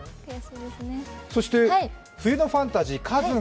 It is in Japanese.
そして「冬のファンタジー」